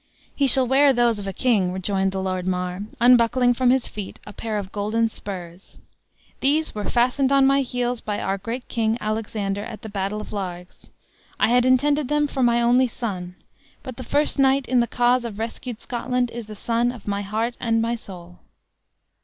"He shall wear those of a king," rejoined the Lord Mar, unbuckling from his feet a pair of golden spurs; "these were fastened on my heels by our great king, Alexander, at the battle of Largs. I had intended them for my only son; but the first knight in the cause of rescued Scotland is the son of my heart and soul!"